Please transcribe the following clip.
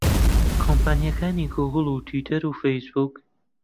کۆمپانیاکانی گووگڵ و تویتەر و فەیسبووک